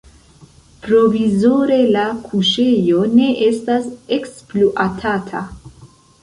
Provizore la kuŝejo ne estas ekspluatata.